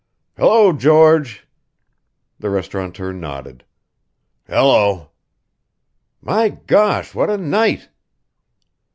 "Hello, George!" The restauranteur nodded. "Hello!" "My gosh! What a night!"